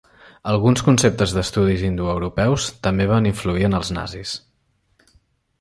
Alguns conceptes d'estudis indoeuropeus també van influir en els nazis.